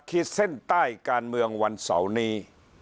ขีดเส้นใต้การเมืองวันเสาร์นี้